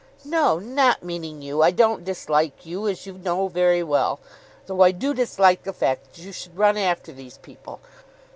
"No; not meaning you. I don't dislike you, as you know very well, though I do dislike the fact that you should run after these people.